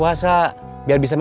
udah udah dia yang ais tau maya